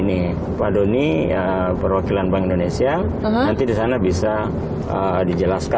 nanti ketemu pak doni ya kepala ini pak doni perwakilan bank indonesia ya dan kita juga bisa nanti cek pasar ya